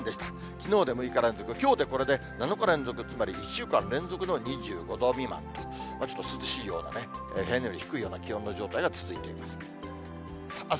きのうで６日連続、きょうでこれで７日連続、つまり１週間連続の２５度未満と、ちょっと涼しいような、平年より低いような気温の状態が続いています。